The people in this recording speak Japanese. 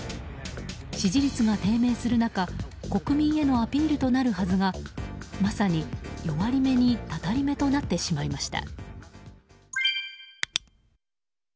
支持率が低迷する中国民へのアピールとなるはずがまさに弱り目に祟り目となってしまいました。